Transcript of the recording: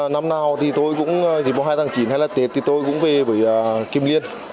năm nào thì tôi cũng dịp mùa hai tháng chín hay là tết thì tôi cũng về với kim liên